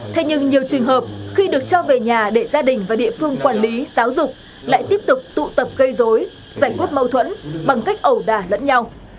thế nhưng nhiều trường hợp khi được cho về nhà để gia đình và địa phương quản lý giáo dục lại tiếp tục tụ tập gây dối giải quyết mâu thuẫn bằng cách ẩu đả lẫn nhau